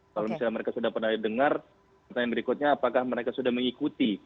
kalau misalnya mereka sudah pernah dengar pertanyaan berikutnya apakah mereka sudah mengikuti